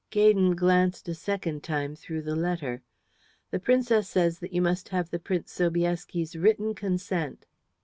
Gaydon glanced a second time through the letter. "The Princess says that you must have the Prince Sobieski's written consent."